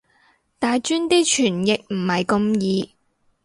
大專啲傳譯唔係咁易